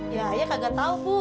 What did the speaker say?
ya ayah kagak tahu bu